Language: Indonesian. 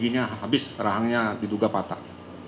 giginya habis rahangnya diduga patah